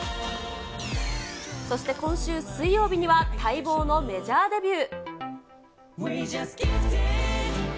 そして今週水曜日には、待望のメジャーデビュー。